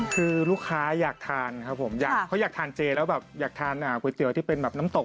คือลูกค้าอยากทานครับผมเขาอยากทานเจแล้วแบบอยากทานก๋วยเตี๋ยวที่เป็นแบบน้ำตก